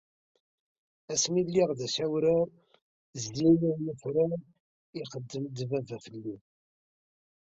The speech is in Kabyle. Asmi lliɣ d acawrar zzin-iw yufrar, ixeddem-d baba felli.